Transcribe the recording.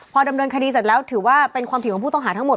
พอดำเนินคดีเสร็จแล้วถือว่าเป็นความผิดของผู้ต้องหาทั้งหมด